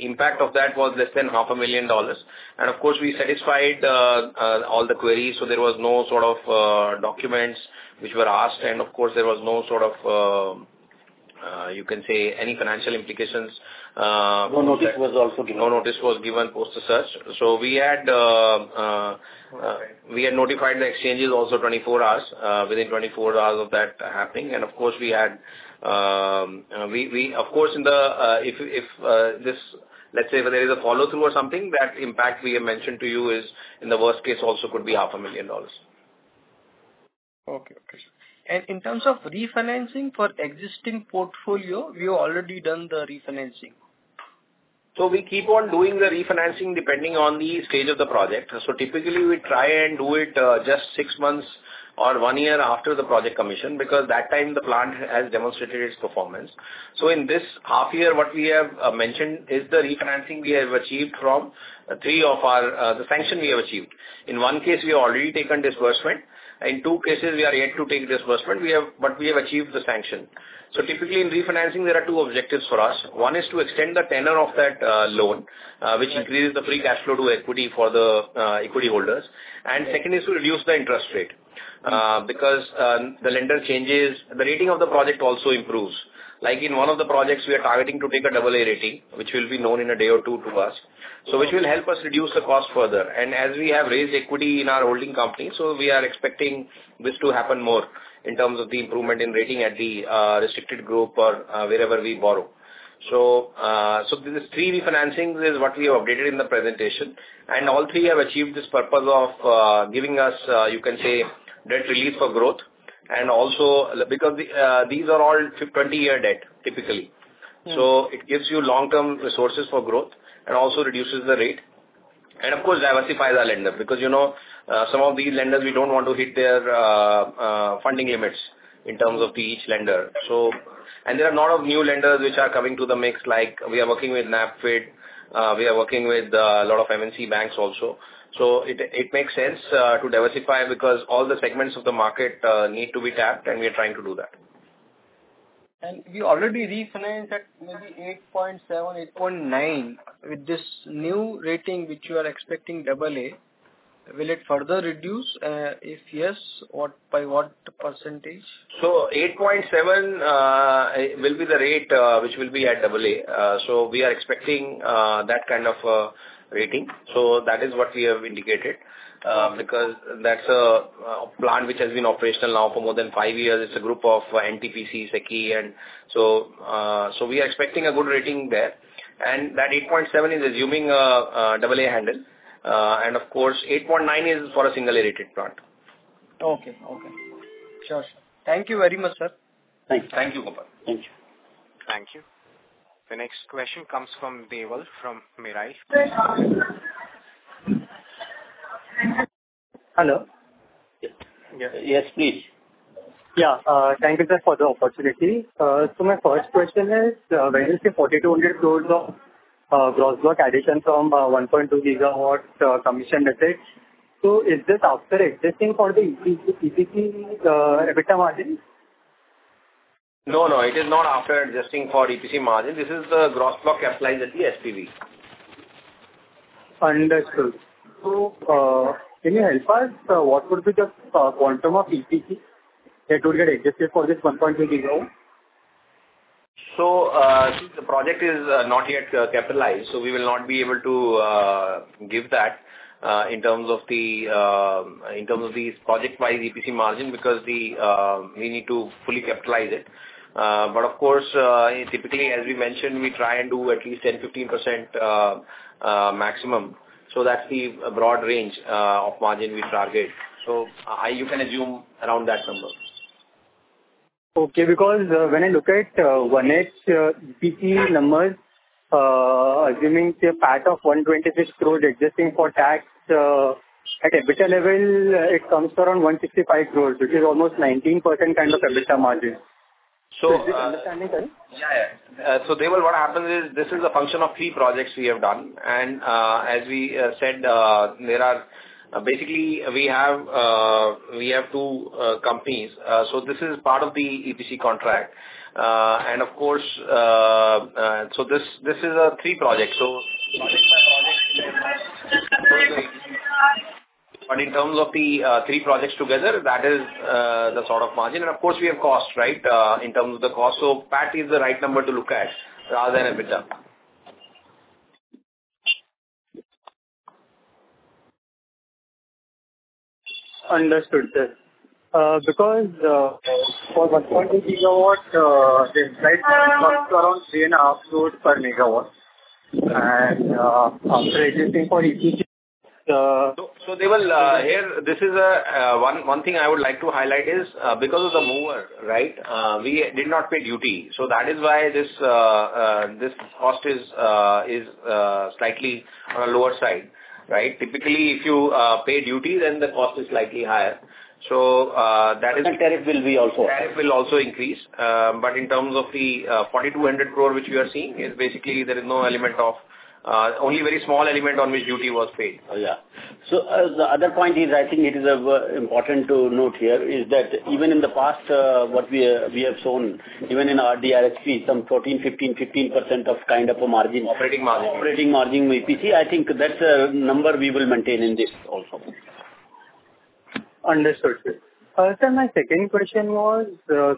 impact of that was less than $500,000. And of course, we satisfied all the queries. So there was no sort of documents which were asked. And of course, there was no sort of, you can say, any financial implications. No notice was also given. No notice was given post the search. So we had notified the exchanges also 24 hours, within 24 hours of that happening. And of course, if this, let's say, if there is a follow-through or something, that impact we have mentioned to you is, in the worst case, also could be $500,000. In terms of refinancing for existing portfolio, we have already done the refinancing. We keep on doing the refinancing depending on the stage of the project. Typically, we try and do it just six months or one year after the project commission because at that time, the plant has demonstrated its performance. In this half year, what we have mentioned is the refinancing we have achieved from three of our the sanction we have achieved. In one case, we have already taken disbursement. In two cases, we are yet to take disbursement, but we have achieved the sanction. Typically, in refinancing, there are two objectives for us. One is to extend the tenor of that loan, which increases the free cash flow to equity for the equity holders. Second is to reduce the interest rate because the lender changes, the rating of the project also improves. Like in one of the projects, we are targeting to take a double-A rating, which will be known in a day or two to us, so which will help us reduce the cost further. And as we have raised equity in our holding company, so we are expecting this to happen more in terms of the improvement in rating at the restricted group or wherever we borrow. So these three refinancings is what we have updated in the presentation. And all three have achieved this purpose of giving us, you can say, debt relief for growth. And also because these are all 20-year debt, typically. So it gives you long-term resources for growth and also reduces the rate. And of course, diversifies our lender because some of these lenders, we don't want to hit their funding limits in terms of each lender. And there are a lot of new lenders which are coming to the mix, like we are working with NaBFID. We are working with a lot of MNC banks also. So it makes sense to diversify because all the segments of the market need to be tapped, and we are trying to do that. We already refinanced at maybe 8.7%-8.9%. With this new rating, which you are expecting double-A, will it further reduce? If yes, by what percentage? 8.7 will be the rate which will be at double-A. We are expecting that kind of rating. That is what we have indicated because that's a plant which has been operational now for more than five years. It's a group of NTPC, SECI. We are expecting a good rating there. That 8.7 is assuming a double-A handle. Of course, 8.9 is for a single-rated plant. Okay. Okay. Sure. Sure. Thank you very much, sir. Thank you. Thank you, Gopal. Thank you. Thank you. The next question comes from Deval from Mirae. Hello. Yes. Yes, please. Yeah. Thank you, sir, for the opportunity. My first question is, when you say 4,200 crores of gross block addition from 1.2 GW commissioned assets, so is this after adjusting for the EPC EBITDA margin? No, no. It is not after adjusting for EPC margin. This is the Gross Block capitalized at the SPV. Understood. So can you help us? What would be the quantum of EPC that would get adjusted for this 1.2 GW? So the project is not yet capitalized, so we will not be able to give that in terms of these project-wise EPC margin because we need to fully capitalize it. But of course, typically, as we mentioned, we try and do at least 10%-15% maximum. So that's the broad range of margin we target. So you can assume around that number. Okay. Because when I look at 1H EPC numbers, assuming the part of 126 crores existing for tax at EBITDA level, it comes to around 165 crores, which is almost 19% kind of EBITDA margin. Is this understanding? Yeah. Yeah. So Deval, what happens is this is a function of three projects we have done. And as we said, there are basically, we have two companies. So this is part of the EPC contract. And of course, so this is a three project. So in terms of the three projects together, that is the sort of margin. And of course, we have cost, right, in terms of the cost. So PAT is the right number to look at rather than EBITDA. Understood. Because for 1.2 GW, the CapEx comes to around 3.5 crores per MW. And after adjusting for EPC, the. Deval, here, this is one thing I would like to highlight is because of the MOOWR, right, we did not pay duty. So that is why this cost is slightly on the lower side, right? Typically, if you pay duty, then the cost is slightly higher. So that is. And tariff will be also. Tariff will also increase. But in terms of the 4,200 crore which we are seeing, basically, there is no element of only very small element on which duty was paid. Yeah. So the other point is, I think it is important to note here is that even in the past, what we have shown, even in our DRHP, some 14, 15, 15% of kind of a margin. Operating margin. Operating margin EPC. I think that's a number we will maintain in this also. Understood. Sir, my second question was,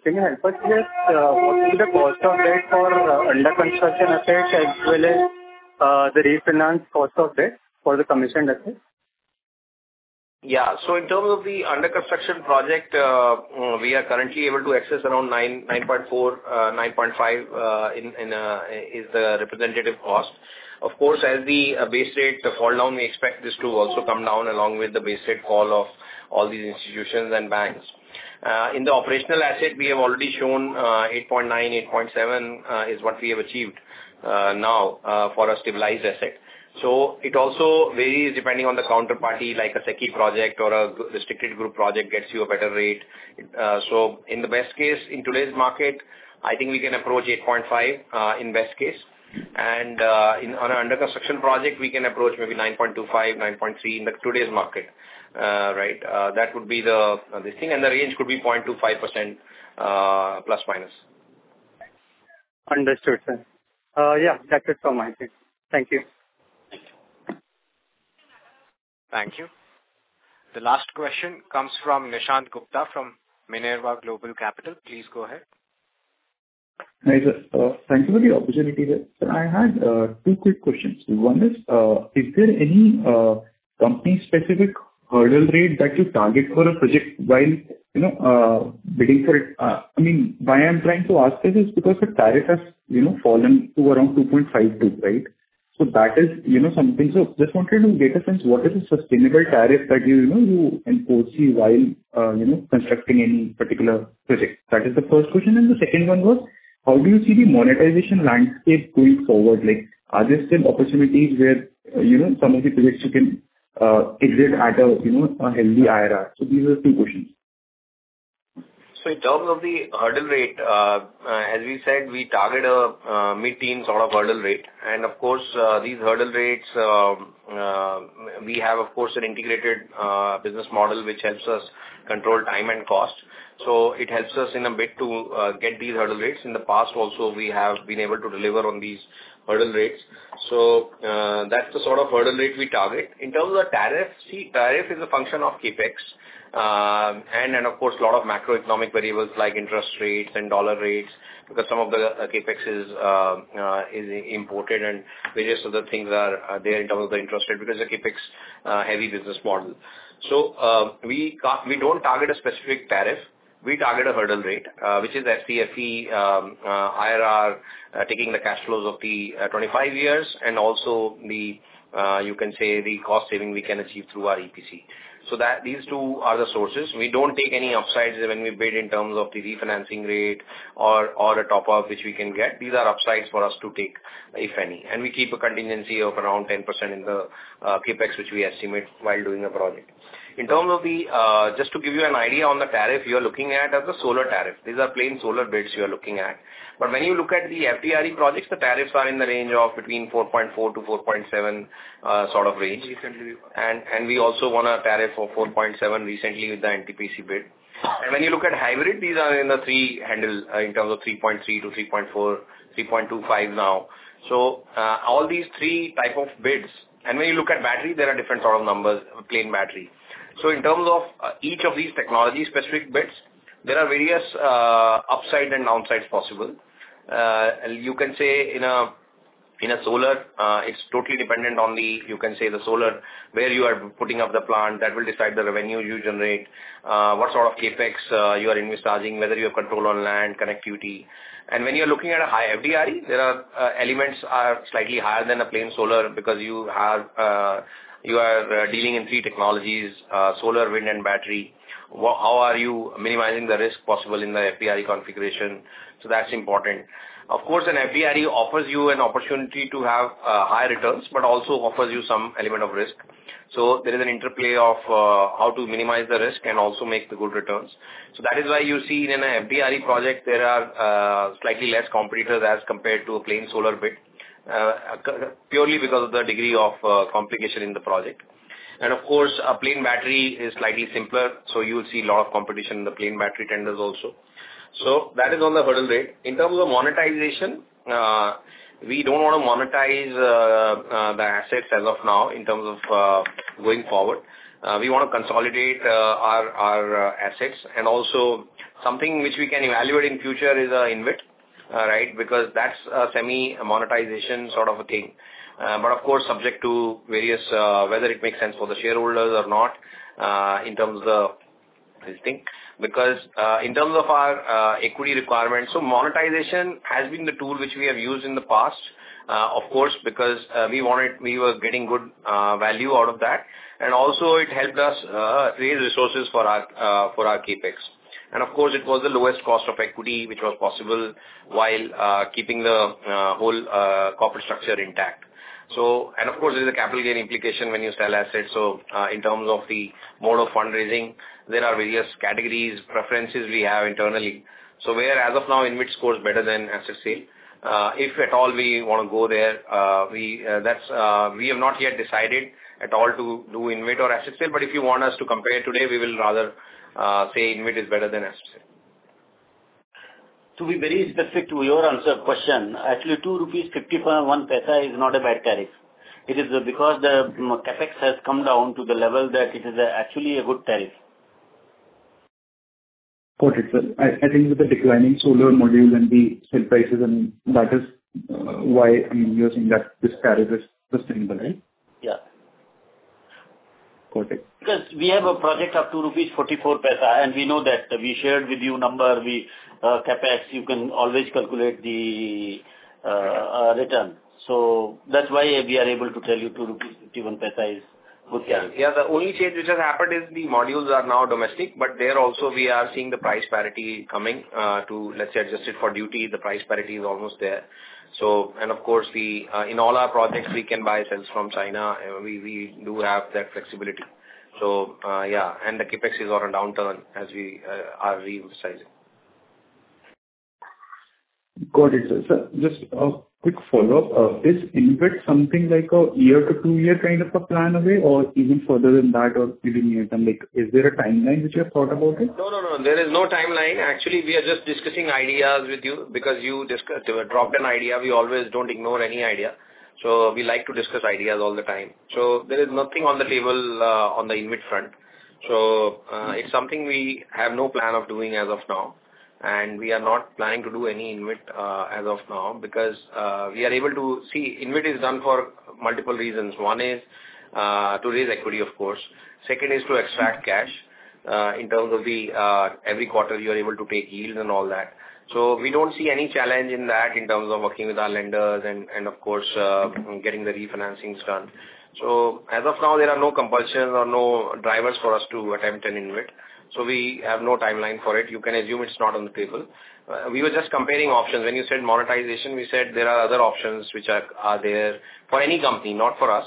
can you help us with what is the cost of debt for under construction assets as well as the refinanced cost of debt for the commissioned assets? Yeah. In terms of the under construction project, we are currently able to access around 9.4%-9.5% is the representative cost. Of course, as the base rate fall down, we expect this to also come down along with the base rate fall of all these institutions and banks. In the operational asset, we have already shown 8.9%-8.7% is what we have achieved now for a stabilized asset. It also varies depending on the counterparty, like a SECI project or a restricted group project gets you a better rate. In the best case, in today's market, I think we can approach 8.5% in best case. On an under construction project, we can approach maybe 9.25%-9.3% in today's market, right? That would be the thing. The range could be 0.25% plus minus. Understood, sir. Yeah, that's it from my side. Thank you. Thank you. Thank you. The last question comes from Nishant Gupta from Minerva Global Capital. Please go ahead. Hi, sir. Thank you for the opportunity. I had two quick questions. One is, is there any company-specific hurdle rate that you target for a project while bidding for it? I mean, why I'm trying to ask this is because the tariff has fallen to around 2.52, right? So that is something. So just wanted to get a sense, what is the sustainable tariff that you enforce while constructing any particular project? That is the first question. And the second one was, how do you see the monetization landscape going forward? Are there still opportunities where some of the projects you can exit at a healthy IRR? So these are two questions. So in terms of the hurdle rate, as we said, we target a mid-teen sort of hurdle rate. And of course, these hurdle rates, we have, of course, an integrated business model which helps us control time and cost. So it helps us in a bit to get these hurdle rates. In the past, also, we have been able to deliver on these hurdle rates. So that's the sort of hurdle rate we target. In terms of the tariff, see, tariff is a function of CapEx and, of course, a lot of macroeconomic variables like interest rates and dollar rates because some of the CapEx is imported and various other things are there in terms of the interest rate because it's a CapEx-heavy business model. So we don't target a specific tariff. We target a hurdle rate, which is FCFE, IRR, taking the cash flows of the 25 years, and also the, you can say, the cost saving we can achieve through our EPC. So these two are the sources. We don't take any upsides when we bid in terms of the refinancing rate or a top-up which we can get. These are upsides for us to take, if any. And we keep a contingency of around 10% in the CapEx, which we estimate while doing a project. In terms of the, just to give you an idea on the tariff, you are looking at as a solar tariff. These are plain solar bids you are looking at. But when you look at the FDRE projects, the tariffs are in the range of between 4.4-4.7 sort of range. We also won a tariff of 4.7 recently with the NTPC bid. When you look at hybrid, these are in the three handle in terms of 3.3 to 3.4, 3.25 now. All these three type of bids, and when you look at battery, there are different sort of numbers, plain battery. In terms of each of these technology-specific bids, there are various upsides and downsides possible. You can say in a solar, it's totally dependent on the, you can say, the solar where you are putting up the plant. That will decide the revenue you generate, what sort of CapEx you are investing, whether you have control on land, connectivity. When you're looking at a high FDRE, there are elements slightly higher than a plain solar because you are dealing in three technologies: solar, wind, and battery. How are you minimizing the risk possible in the FDRE configuration? So that's important. Of course, an FDRE offers you an opportunity to have high returns but also offers you some element of risk. So there is an interplay of how to minimize the risk and also make the good returns. So that is why you see in an FDRE project, there are slightly less competitors as compared to a plain solar bid, purely because of the degree of complication in the project. And of course, a plain battery is slightly simpler, so you will see a lot of competition in the plain battery tenders also. So that is on the hurdle rate. In terms of monetization, we don't want to monetize the assets as of now in terms of going forward. We want to consolidate our assets. And also, something which we can evaluate in future is an InvIT, right, because that's a semi-monetization sort of a thing. But of course, subject to various, whether it makes sense for the shareholders or not in terms of this thing. Because in terms of our equity requirements, so monetization has been the tool which we have used in the past, of course, because we were getting good value out of that. And also, it helped us raise resources for our CapEx. And of course, it was the lowest cost of equity which was possible while keeping the whole corporate structure intact. And of course, there is a capital gain implication when you sell assets. So in terms of the mode of fundraising, there are various categories, preferences we have internally. So, as of now, InvIT scores better than asset sale. If at all we want to go there, we have not yet decided at all to do InvIT or asset sale. But if you want us to compare today, we will rather say InvIT is better than asset sale. To answer your question, actually, 2.55 rupees per kWh is not a bad tariff. It is because the CapEx has come down to the level that it is actually a good tariff. Got it. So I think with the declining solar module and the cell prices, and that is why I'm using that this tariff is sustainable, right? Yeah. Got it. Because we have a project of 2.44 rupees, and we know that we shared with you number, CapEx, you can always calculate the return. So that's why we are able to tell you 2.51 rupees is good. Yeah. The only change which has happened is the modules are now domestic, but there also, we are seeing the price parity coming to, let's say, adjusted for duty, the price parity is almost there. And of course, in all our projects, we can buy cells from China. We do have that flexibility. So yeah. And the CapEx is on a downturn as we are reinforcing. Got it. Sir, just a quick follow-up. Is InvIT something like a year to two-year kind of a plan away or even further than that or even near-term? Is there a timeline which you have thought about it? No, no, no. There is no timeline. Actually, we are just discussing ideas with you because you dropped an idea. We always don't ignore any idea. So we like to discuss ideas all the time. So there is nothing on the table on the InvIT front. So it's something we have no plan of doing as of now. And we are not planning to do any InvIT as of now because we are able to see InvIT is done for multiple reasons. One is to raise equity, of course. Second is to extract cash in terms of every quarter, you are able to take yields and all that. So we don't see any challenge in that in terms of working with our lenders and, of course, getting the refinancings done. So as of now, there are no compulsions or no drivers for us to attempt an InvIT. So we have no timeline for it. You can assume it's not on the table. We were just comparing options. When you said monetization, we said there are other options which are there for any company, not for us,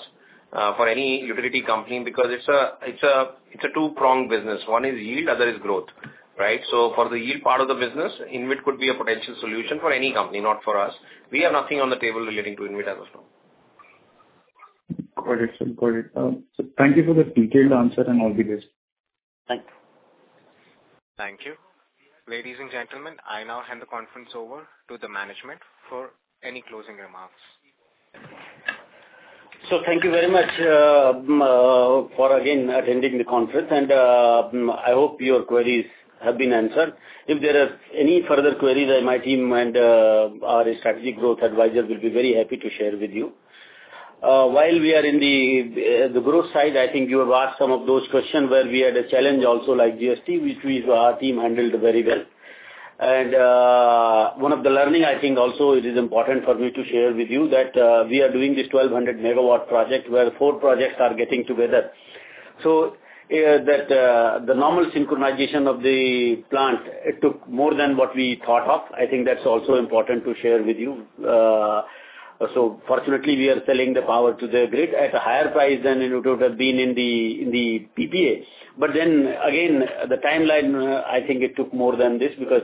for any utility company because it's a two-pronged business. One is yield, other is growth, right? So for the yield part of the business, InvIT could be a potential solution for any company, not for us. We have nothing on the table relating to InvIT as of now. Got it. Got it. So thank you for the detailed answer and all the list. Thanks. Thank you. Ladies and gentlemen, I now hand the conference over to the management for any closing remarks. So thank you very much for, again, attending the conference. And I hope your queries have been answered. If there are any further queries, my team and our Strategic Growth Advisors will be very happy to share with you. While we are in the growth side, I think you have asked some of those questions where we had a challenge also like GST, which our team handled very well. And one of the learnings, I think also it is important for me to share with you that we are doing this 1,200-MW project where four projects are getting together. So the normal synchronization of the plant, it took more than what we thought of. I think that's also important to share with you. So fortunately, we are selling the power to the grid at a higher price than it would have been in the PPA. But then again, the timeline, I think it took more than this because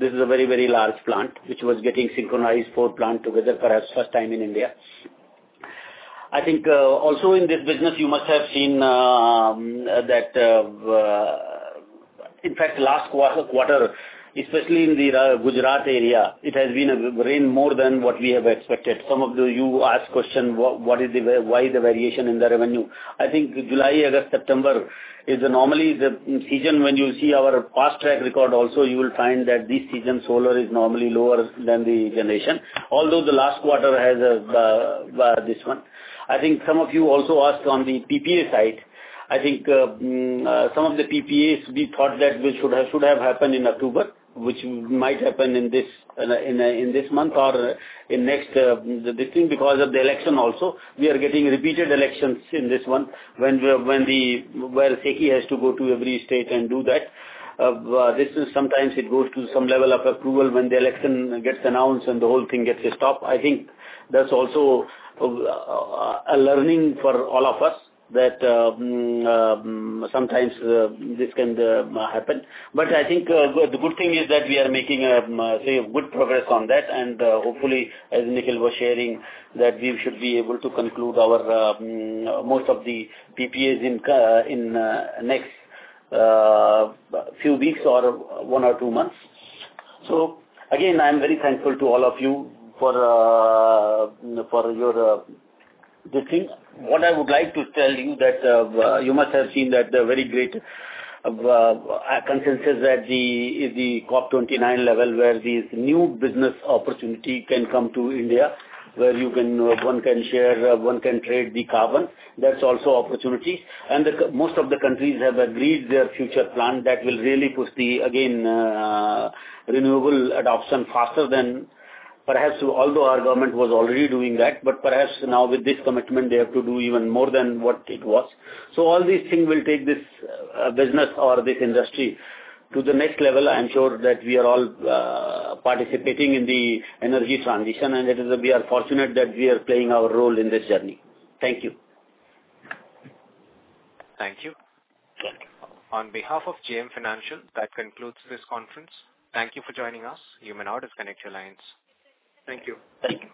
this is a very, very large plant which was getting synchronized four plants together, perhaps first time in India. I think also in this business, you must have seen that, in fact, last quarter, especially in the Gujarat area, it has been raining more than what we have expected. Some of you asked question, why is the variation in the revenue? I think July, August, September is normally the season when you see our past track record. Also, you will find that this season solar is normally lower than the generation, although the last quarter has this one. I think some of you also asked on the PPA side. I think some of the PPAs, we thought that should have happened in October, which might happen in this month or in next this thing because of the election also. We are getting repeated elections in this one when SECI has to go to every state and do that. Sometimes it goes to some level of approval when the election gets announced and the whole thing gets stopped. I think that's also a learning for all of us that sometimes this can happen. But I think the good thing is that we are making, say, good progress on that. And hopefully, as Nikhil was sharing, that we should be able to conclude most of the PPAs in the next few weeks or one or two months. So again, I'm very thankful to all of you for your this thing. What I would like to tell you that you must have seen that the very great consensus at the COP29 level where these new business opportunities can come to India, where one can share, one can trade the carbon. That's also opportunities. And most of the countries have agreed their future plan that will really push the, again, renewable adoption faster than perhaps, although our government was already doing that, but perhaps now with this commitment, they have to do even more than what it was. So all these things will take this business or this industry to the next level. I'm sure that we are all participating in the energy transition, and we are fortunate that we are playing our role in this journey. Thank you. Thank you. On behalf of JM Financial, that concludes this conference. Thank you for joining us. You may now disconnect your lines. Thank you. Thank you.